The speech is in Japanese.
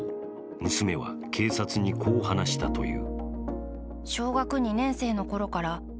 娘は警察にこう話したという。